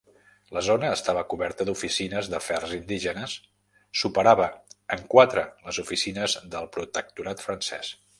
La zona estava coberta d'oficines d'Afers Indígenes, superava en quatre les oficines del Protectorat francès.